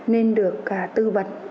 nên được tư vấn